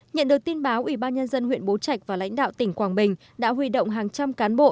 nhận được tin báo ủy ban nhân dân huyện bố trạch và lãnh đạo tỉnh quảng bình đã huy động hàng trăm cán bộ